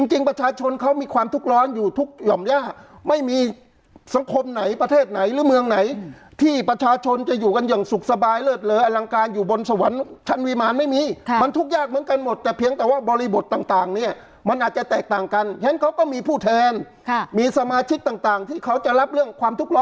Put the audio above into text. จริงประชาชนเขามีความทุกข์ร้อนอยู่ทุกหย่อมย่าไม่มีสังคมไหนประเทศไหนหรือเมืองไหนที่ประชาชนจะอยู่กันอย่างสุขสบายเลิศเลอลังการอยู่บนสวรรค์ชั้นวิมารไม่มีมันทุกข์ยากเหมือนกันหมดแต่เพียงแต่ว่าบริบทต่างเนี่ยมันอาจจะแตกต่างกันฉะนั้นเขาก็มีผู้แทนมีสมาชิกต่างที่เขาจะรับเรื่องความทุกข์ล้อ